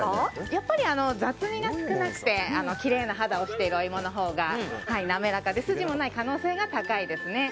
やっぱり雑味が少なくてきれいな肌をしているお芋のほうが筋もない可能性が高いですね。